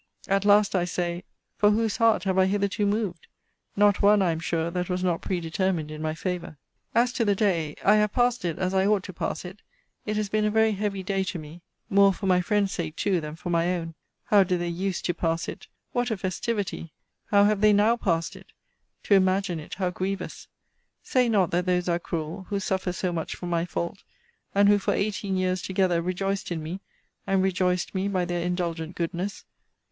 At last, I say; for whose heart have I hitherto moved? Not one, I am sure, that was not predetermined in my favour. As to the day I have passed it, as I ought to pass it. It has been a very heavy day to me! More for my friends sake, too, than for my own! How did they use to pass it! What a festivity! How have they now passed it? To imagine it, how grievous! Say not that those are cruel, who suffer so much for my fault; and who, for eighteen years together, rejoiced in me, and rejoiced me by their indulgent goodness!